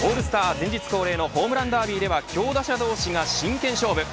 前日恒例のホームランダービーでは強打者同士が真剣勝負。